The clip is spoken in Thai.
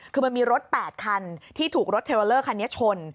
คือมันมีรถ๘คันที่ถูกรถเทลเลอร์คันนี้ชน